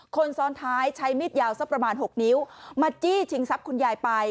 คนซ้อนท้ายใช้มีดยาวสักประมาณ๖นิ้วมาจี้ชิงทรัพย์คุณยายไป